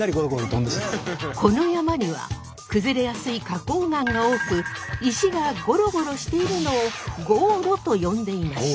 この山には崩れやすい花こう岩が多く石がゴロゴロしているのをゴーロと呼んでいました。